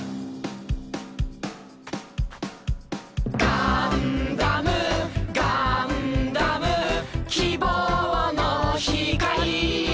ガンダムガンダム希望の光